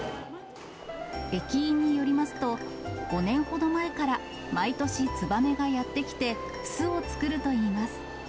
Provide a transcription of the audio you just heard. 駅員によりますと、５年ほど前から毎年、ツバメがやって来て、巣を作るといいます。